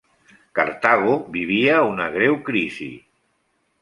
Cartago vivia una greu crisi.